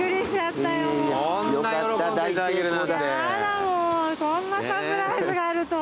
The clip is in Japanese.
もうこんなサプライズがあるとは。